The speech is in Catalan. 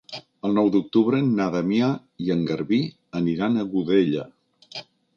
El nou d'octubre na Damià i en Garbí aniran a Godella.